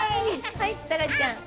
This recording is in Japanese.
はいドラちゃん。